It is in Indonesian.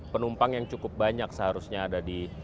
penumpang yang cukup banyak seharusnya ada di